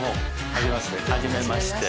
初めまして。